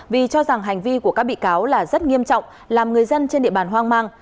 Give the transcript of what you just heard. vì cho rằng hành vi của các bị cáo là rất nghiêm trọng làm người dân trên địa bàn hoang mang